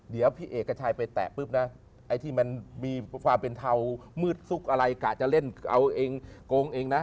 เดี๋ยวพี่เอกชัยไปแตะปุ๊บนะไอ้ที่มันมีความเป็นเทามืดซุกอะไรกะจะเล่นเอาเองโกงเองนะ